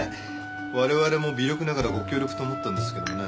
我々も微力ながらご協力と思ったんですけどね。